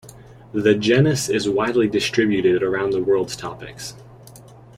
The genus is widely distributed around the world's tropics.